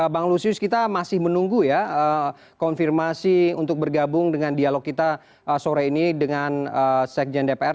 bang lusius kita masih menunggu ya konfirmasi untuk bergabung dengan dialog kita sore ini dengan sekjen dpr